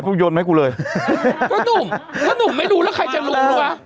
ก็หนุ่มถ้าหนุ่มไม่รู้แล้วใครจะหนุ่มด้วยว่ะ